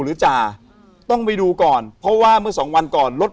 จ่าต้องไปดูก่อนเพราะว่าเมื่อสองวันก่อนรถ